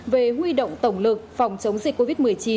về huy động tổng lực phòng chống dịch covid một mươi chín